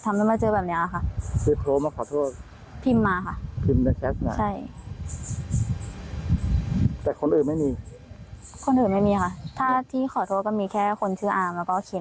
แต่ไม่มีใครช่วยหนูเลย